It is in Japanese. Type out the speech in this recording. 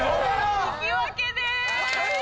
引き分けです！